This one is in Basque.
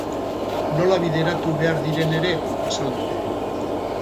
Nola bideratu behar diren ere azalduko du.